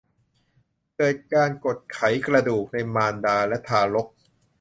เกิดการกดไขกระดูกในมารดาและทารก